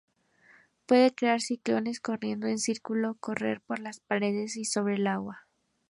Puede crear ciclones corriendo en círculo, correr por las paredes y sobre el agua.